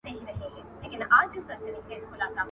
ګړی وروسته به په دام کی وې لوېدلي `